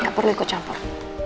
nggak perlu kau campur